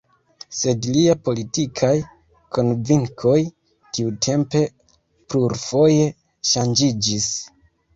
Sed lia politikaj konvinkoj tiutempe plurfoje ŝanĝiĝis.